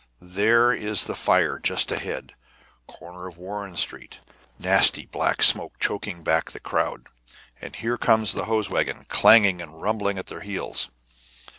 There is the fire just ahead, corner of Warren Street, nasty black smoke choking back the crowd. And here comes the hose wagon, clanging and rumbling at their heels.